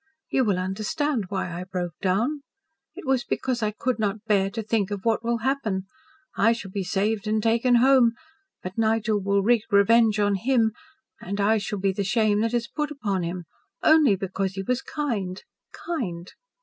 You will understand why I broke down. It was because I could not bear to think of what will happen. I shall be saved and taken home, but Nigel will wreak revenge on HIM. And I shall be the shame that is put upon him only because he was kind KIND.